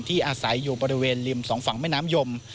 อาศัยอยู่บริเวณริมสองฝั่งแม่น้ำยม